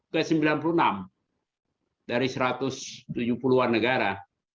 dari yang terdekat ke sembilan puluh enam dari satu ratus tujuh puluh an negara